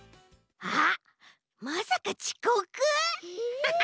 あっまさかちこく？え？